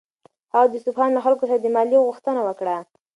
هغه د اصفهان له خلکو څخه د مالیې غوښتنه وکړه.